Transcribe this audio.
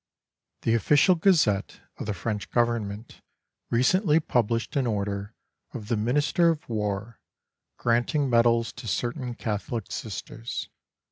The official gazette of the French Government recently published an order of the Minister of War granting medals to certain Catholic Sisters.